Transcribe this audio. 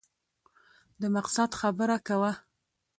د مقصد خبره کوه !